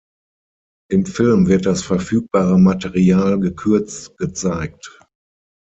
Im Film wird das verfügbare Material gekürzt gezeigt.